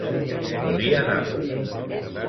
Morí a Nàpols.